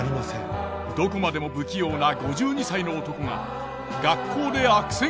どこまでも不器用な５２歳の男が学校で悪戦苦闘。